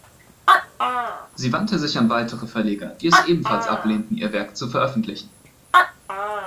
Sie wandte sich an weitere Verleger, die es ebenfalls ablehnten, ihr Werk zu veröffentlichen.